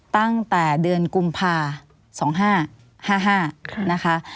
ตั้งแต่เดือนกุมภา๒๕๕๕นะคะ